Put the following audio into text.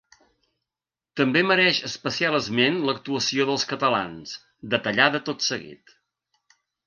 També mereix especial esment l'actuació dels catalans, detallada tot seguit.